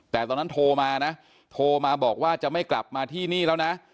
แต่ตอนนั้นโทรมานะโทรมาบอกว่าจะไม่กลับมาที่นี่แล้วนะ